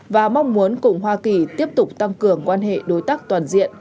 và mong muốn cùng hoa kỳ tiếp tục tăng cường quan hệ đối tác toàn diện